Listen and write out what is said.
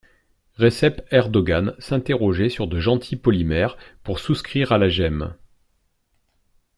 Recep Erdogan s'interrogeait sur de gentils polymères pour souscrire à la gemme.